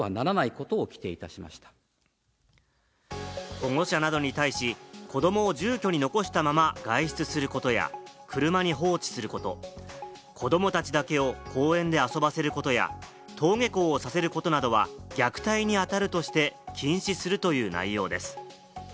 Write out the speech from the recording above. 保護者などに対し、子どもを住居に残したまま外出することや車に放置すること、子供たちだけを公園で遊ばせることや、登下校させることなどは虐待にあたるとして禁止するという内容です。